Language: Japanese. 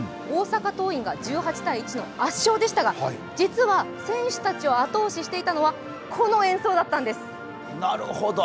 大阪桐蔭が１８−１の圧勝でしたが実は選手たちを後押ししていたのはこの演奏だったんです。